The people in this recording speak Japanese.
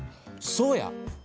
そうや！